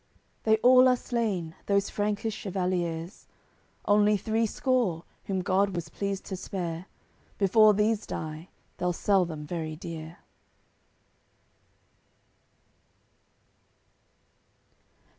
They all are slain, those Frankish chevaliers; Only three score, whom God was pleased to spare, Before these die, they'll sell them very dear.